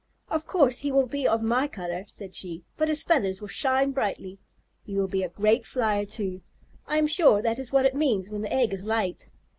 "Of course he will be of my color," said she, "but his feathers will shine brightly. He will be a great flyer, too. I am sure that is what it means when the egg is light."